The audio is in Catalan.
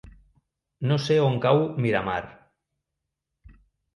No sé on cau Miramar.